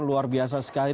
luar biasa sekali